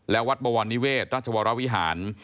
และวัดบวรนิเวศราชวรวิหาร